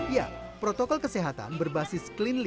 ya protokol kesehatan berbasis klinis